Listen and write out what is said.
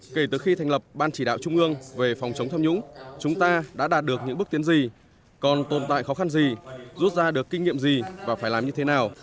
kể từ khi thành lập ban chỉ đạo trung ương về phòng chống tham nhũng chúng ta đã đạt được những bước tiến gì còn tồn tại khó khăn gì rút ra được kinh nghiệm gì và phải làm như thế nào